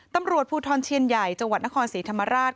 ตำรวจภูทรเชียนใหญ่จังหวัดนครศรีธรรมราช